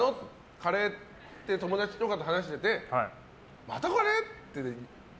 カレーって友達とかと話してて、またカレー？って。